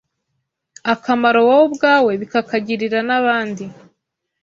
akamaro wowe ubwawe bikakagirira n’abandi.